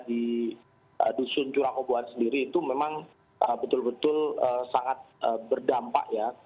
di dusun curakoboan sendiri itu memang betul betul sangat berdampak ya